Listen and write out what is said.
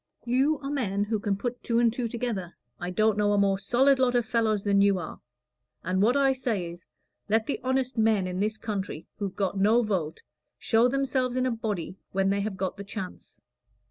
You are men who can put two and two together I don't know a more solid lot of fellows than you are; and what I say is, let the honest men in this country who've got no vote show themselves in a body when they have got the chance.